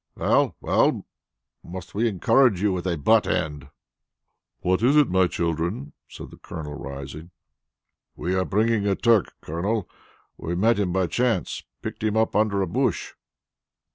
"Well, well! Must we then encourage you with a butt end?" "What is it, my children?" said the Colonel, rising. "We are bringing a Turk, Colonel. We met him by chance picked him up under a bush."